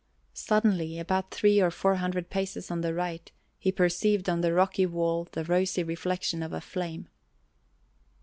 Suddenly, about three or four hundred paces on the right, he perceived on the rocky wall the rosy reflection of a flame.